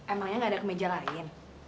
emangnya gak ada kemeja lain